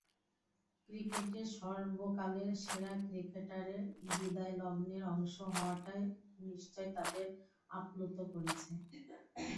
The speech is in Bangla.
ক্রিকেটের সর্বকালের সেরা ক্রিকেটারের বিদায়লগ্নের অংশ হওয়াটা নিশ্চয়ই তাদের আপ্লুত করেছে।